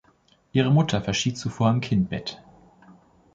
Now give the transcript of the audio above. Ihre Mutter verschied zuvor im Kindbett.